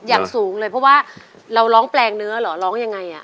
อย่างสูงเลยเพราะว่าเราร้องแปลงเนื้อเหรอร้องยังไงอ่ะ